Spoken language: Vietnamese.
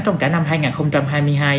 trong năm hai nghìn hai mươi hai